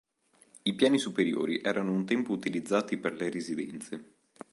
I piani superiori erano un tempo utilizzati per le residenze.